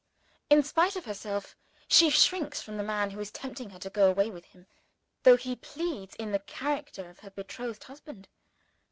In spite of herself, she shrinks from the man who is tempting her to go away with him though he pleads in the character of her betrothed husband.